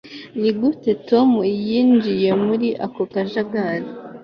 nigute tom yinjiye muri ako kajagari